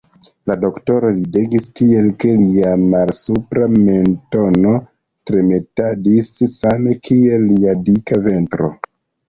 La doktoro ridegis tiel, ke lia malsupra mentono tremetadis same kiel lia dika ventro.